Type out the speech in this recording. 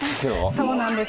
そうなんです。